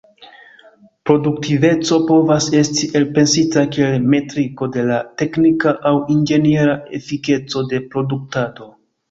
Produktiveco povas esti elpensita kiel metriko de la teknika aŭ inĝeniera efikeco de produktado.